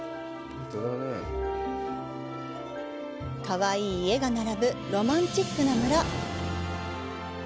かわいい家が並ぶロマンチックな村。